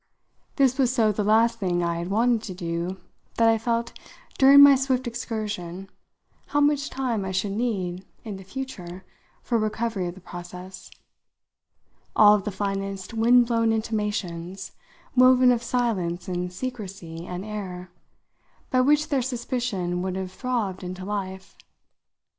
This was so the last thing I had wanted to do that I felt, during my swift excursion, how much time I should need in the future for recovery of the process all of the finest wind blown intimations, woven of silence and secrecy and air by which their suspicion would have throbbed into life.